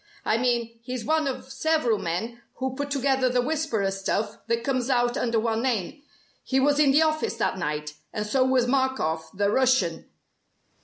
I mean he's one of several men who put together the 'Whisperer' stuff that comes out under one name. He was in the office that night, and so was Markoff the Russian!